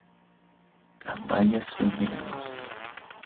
Las bayas son venenosas.